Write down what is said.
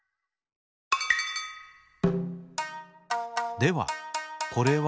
ではこれは？